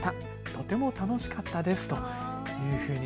とても楽しかったですというふうに。